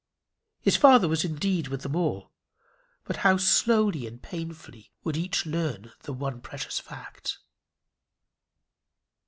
His Father was indeed with them all, but how slowly and painfully would each learn the one precious fact!